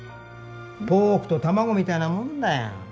ポークと卵みたいなもんだよ。